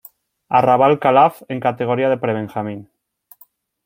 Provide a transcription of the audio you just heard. Arrabal Calaf en categoría de pre-benjamín.